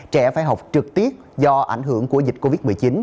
trẻ phải học trực tiếp do ảnh hưởng của dịch covid một mươi chín